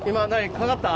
掛かった？